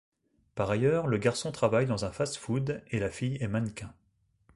Par ailleurs le garçon travaille dans un fast-food et la fille est mannequin.